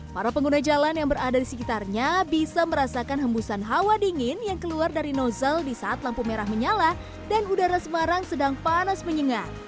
para pengguna jalan yang berada di sekitarnya bisa merasakan hembusan hawa dingin yang keluar dari nozzle di saat lampu merah menyala dan udara semarang sedang panas menyengat